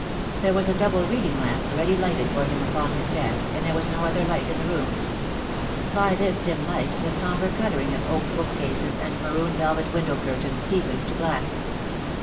There was a double reading lamp ready lighted for him upon this desk, and there was no other light in the room. By this dim light the sombre colouring of oak bookcases and maroon velvet window curtains deepened to black.